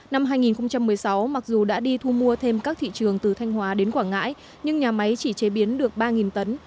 năm hai nghìn một mươi sáu mặc dù đã đi thu mua thêm các thị trường từ thanh hóa đến quảng ngãi nhưng nhà máy chỉ chế biến được ba tấn